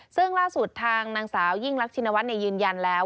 ซึ่งล่าสุดทางนางสาวยิ่งรักชินวัฒน์ยืนยันแล้ว